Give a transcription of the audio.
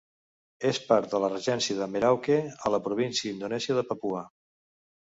És part de la Regència de Merauke, a la província indonèsia de Papua.